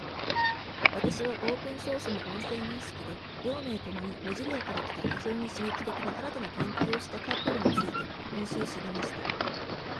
私は、オープンソースの音声認識で、両名共に Mojilla から来た非常に刺激的な新たな展開をしたカップルについて今週知りました。